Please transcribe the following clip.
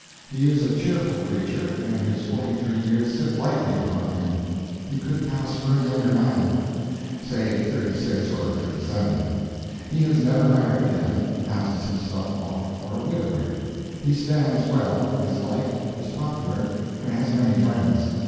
He is a cheerful creature, and his forty three years sit lightly upon him; he could pass for a younger man say thirty six or thirty seven. He has never married again passes himself off for a widower. He stands well, is liked, is popular, and has many friends.